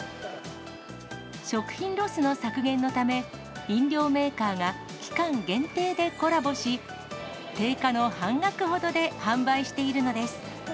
食品ロスの削減のため、飲料メーカーが期間限定でコラボし、定価の半額ほどで販売しているのです。